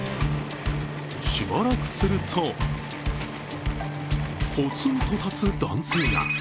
しばらくするとぽつんと立つ男性が。